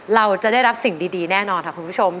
เราจะได้รับสิ่งดีแน่นอนค่ะคุณผู้ชม